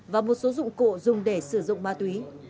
và một số dụng cụ dùng để sử dụng ma túy